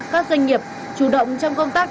các doanh nghiệp chủ động trong công tác